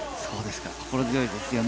心強いですね。